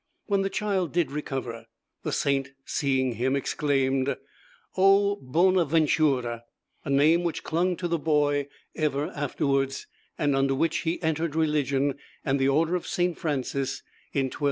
When the child did recover, the saint, seeing him, exclaimed "O bona ventura!" a name which clung to the boy ever afterwards, and under which he entered religion and the order of St. Francis in 1243.